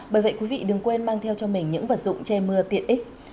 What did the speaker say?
bởi vậy quý vị đừng quên mang theo cho mình những vật dụng che mưa tiện ích